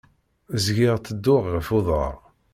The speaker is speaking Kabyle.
Zgiɣ tedduɣ ɣef uḍar.